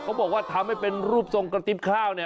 เขาบอกว่าทำให้เป็นรูปทรงกระติบข้าว